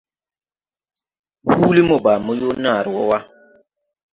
Huulí mo baa mo yoo naaré woo wa.